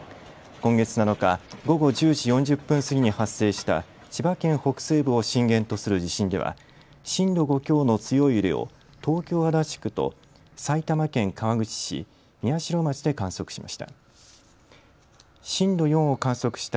今月７日、午後１０時４０分過ぎに発生した千葉県北西部を震源とする地震では震度５強の強い揺れを東京足立区と埼玉県川口市、宮代町で観測しました。